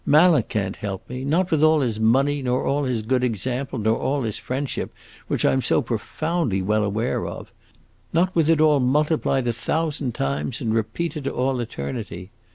Mallet can't help me not with all his money, nor all his good example, nor all his friendship, which I 'm so profoundly well aware of: not with it all multiplied a thousand times and repeated to all eternity!